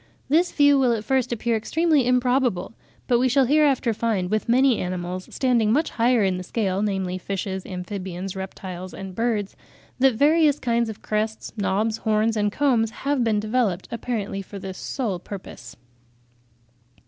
This view will at first appear extremely improbable; but we shall hereafter find with many animals standing much higher in the scale, namely fishes, amphibians, reptiles and birds, that various kinds of crests, knobs, horns and combs have been developed apparently for this sole purpose.